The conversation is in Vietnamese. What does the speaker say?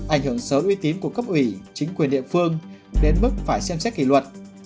ảnh hưởng xấu uy tín của cấp ủy chính quyền địa phương đến mức phải xem xét kỷ luật